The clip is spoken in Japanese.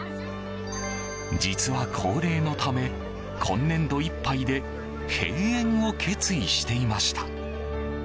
実は高齢のため今年度いっぱいで閉園を決意していました。